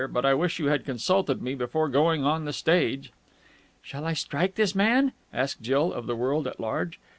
But I wish you had consulted me before going on the stage." "Shall I strike this man?" asked Jill of the world at large.